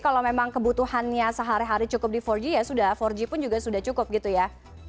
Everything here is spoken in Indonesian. kalau memang kebutuhannya sehari hari cukup di empat g ya sudah empat g pun juga sudah cukup gitu ya